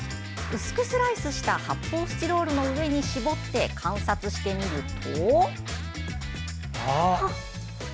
薄くスライスした発砲スチロールの上に搾って観察してみると。